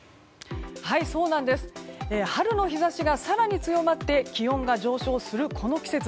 春の日差しが更に強まって気温が上昇するこの季節。